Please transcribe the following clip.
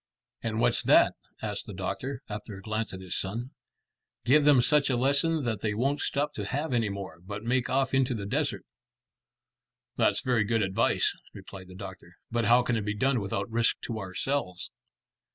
"And what's that?" asked the doctor, after a glance at his son. "Give them such a lesson that they won't stop to have any more, but make off into the desert." "That's very good advice," replied the doctor, "but how can it be done without risk to ourselves?"